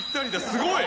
すごい！